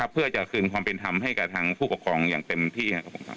เพื่อจะคืนความเป็นทำให้กับทางผู้กับครองอย่างเต็มที่